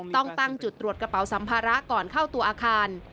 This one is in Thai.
ต้องตั้งจุดตรวจกระเป๋าสัมภาระก่อนเข้าตัวอาคาร